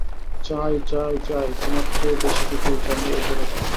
চাই, চাই, চাই, তোমার চেয়ে বেশি কিছুই চাই নে এ জগতে।